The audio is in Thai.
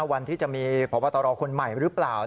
วันที่จะมีพบตรคนใหม่หรือเปล่า